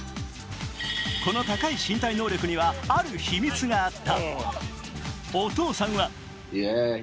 この高い身体能力にはある秘密があった。